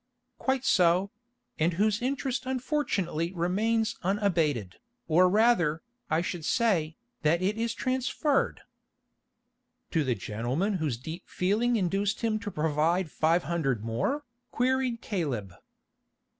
"Quite so—and whose interest unfortunately remains unabated, or rather, I should say, that it is transferred." "To the gentleman whose deep feeling induced him to provide five hundred more?" queried Caleb.